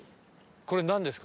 これなんですか？